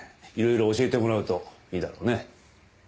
いろいろ教えてもらうといいだろうね。